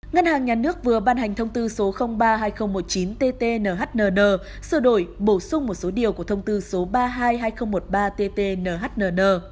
ngân hàng nhà nước vừa ban hành thông tư số ba hai nghìn một mươi chín tt nhnn sửa đổi bổ sung một số điều của thông tư số ba mươi hai hai nghìn một mươi ba tt nhnn